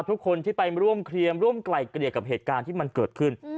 ทุกคนที่ไปร่วมเคลียร์ร่วมไกลเกลี่ยกับเหตุการณ์ที่มันเกิดขึ้น